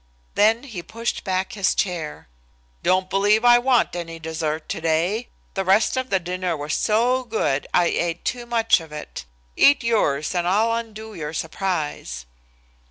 Then he pushed back his chair. "Don't believe I want any dessert today. The rest of the dinner was so good I ate too much of it. Eat yours and I'll undo your surprise."